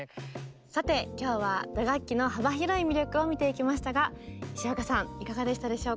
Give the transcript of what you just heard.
さて今日は打楽器の幅広い魅力を見ていきましたが石若さんいかがでしたでしょうか？